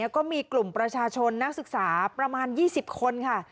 ก็มีกลุ่มประชาชนนักศึกษาประมาณ๒๐คนค่ะ